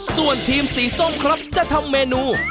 ส่วนทีมสีส้มครับจะทำเมนู